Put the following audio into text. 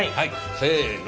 せの。